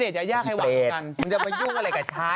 จริงแล้วจ้า